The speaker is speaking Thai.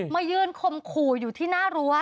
มายืนคมขู่อยู่ที่หน้ารั้ว